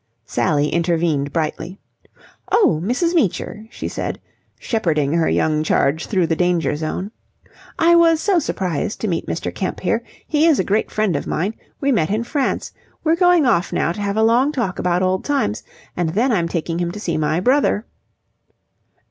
Sally intervened brightly. "Oh, Mrs. Meecher," she said, shepherding her young charge through the danger zone, "I was so surprised to meet Mr. Kemp here. He is a great friend of mine. We met in France. We're going off now to have a long talk about old times, and then I'm taking him to see my brother..."